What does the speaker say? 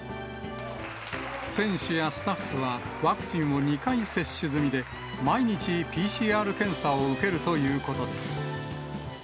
選手やスタッフはワクチンを２回接種済みで、毎日、ＰＣＲ検査を受けるということです。